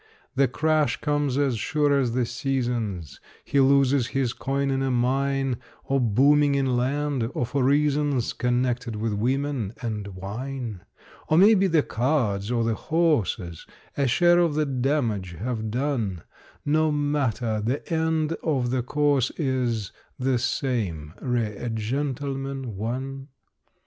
The crash comes as sure as the seasons; He loses his coin in a mine, Or booming in land, or for reasons Connected with women and wine. Or maybe the cards or the horses A share of the damage have done No matter; the end of the course is The same: "Re a Gentleman, One".